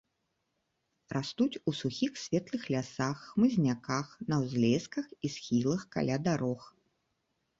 Растуць у сухіх светлых лясах, хмызняках, на ўзлесках і схілах, каля дарог.